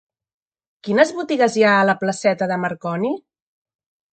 Quines botigues hi ha a la placeta de Marconi?